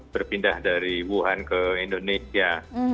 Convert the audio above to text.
berpindah dari wuhan ke indonesia